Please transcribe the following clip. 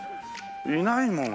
いないもの